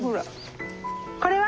これは？